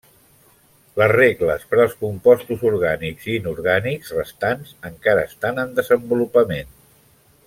Les regles per als compostos orgànics i inorgànics restants encara estan en desenvolupament.